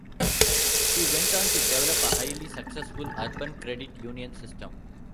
He went on to develop a highly successful urban credit union system.